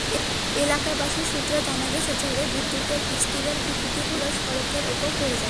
এলাকাবাসী সূত্রে জানা গেছে, ঝড়ে বিদ্যুতের স্টিলের খুঁটিগুলো সড়কের ওপর পড়ে যায়।